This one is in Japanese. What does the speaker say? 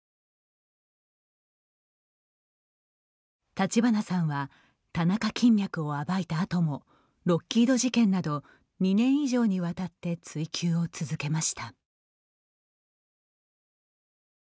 立花さんは田中金脈を暴いたあともロッキード事件など２年以上にわたって追及を続けました。